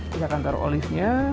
kita akan taruh olive nya